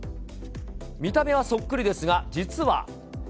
見た目はそっくりですが、実は。